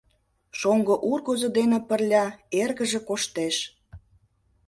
Шоҥго ургызо дене пырля эргыже коштеш.